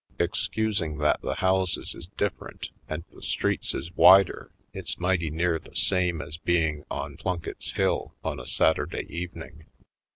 Excusing that the houses is dif ferent and the streets is wider, it's mighty near the same as being on Plunkett's Hill of a Saturday evening.